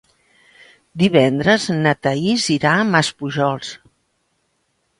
Divendres na Thaís irà a Maspujols.